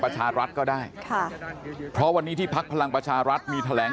ประชารัฐก็ได้ค่ะเพราะวันนี้ที่พักพลังประชารัฐมีแถลง